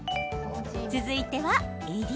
続いては襟。